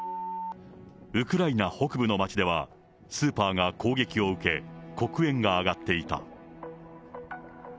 ウクライナ北部の町では、スーパーが攻撃を受け、黒煙が上がっていた。